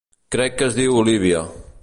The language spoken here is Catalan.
Crec que es diu Olivia.